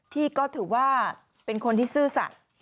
ที่ก็ถือว่าเป็นคนที่ซื่อสัตว์